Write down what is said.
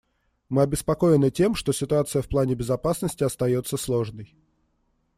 Мы обеспокоены тем, что ситуация в плане безопасности остается сложной.